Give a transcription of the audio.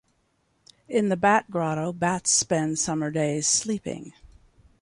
In the Bat Grotto bats spend summer days sleeping.